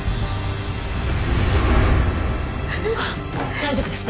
大丈夫ですか？